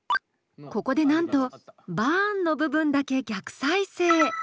ここでなんと「バーン」の部分だけ逆再生。